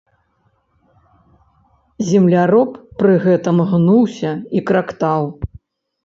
Земляроб пры гэтым гнуўся і крактаў.